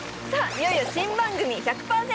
いよいよ新番組「１００％！